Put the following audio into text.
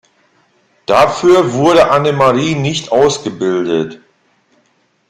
Dafür wurde Annemarie nicht ausgebildet.